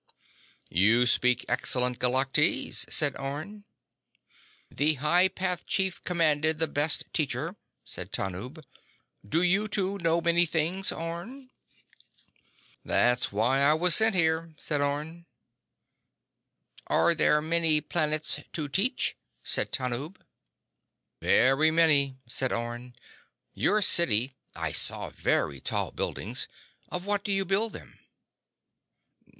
"You speak excellent Galactese," said Orne. "The High Path Chief commanded the best teacher," said Tanub. "Do you, too, know many things, Orne?" "That's why I was sent here," said Orne. "Are there many planets to teach?" asked Tanub. "Very many," said Orne. "Your city—I saw very tall buildings. Of what do you build them?"